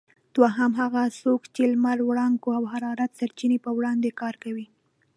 دوهم: هغه څوک چې د لمر وړانګو او حرارت سرچینې په وړاندې کار کوي؟